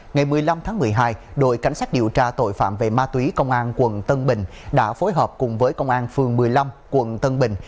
ngày một mươi năm tháng một mươi hai đội cảnh sát điều tra tội phạm về ma túy công an quận tân bình đã phối hợp cùng với công an phường một mươi năm quận tân bình